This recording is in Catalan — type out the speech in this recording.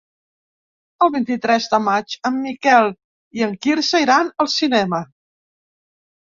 El vint-i-tres de maig en Miquel i en Quirze iran al cinema.